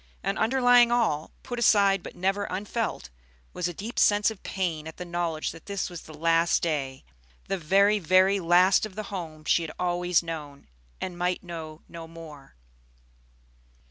And underlying all, put aside but never unfelt, was a deep sense of pain at the knowledge that this was the last day, the very, very last of the home she had always known, and might know no more.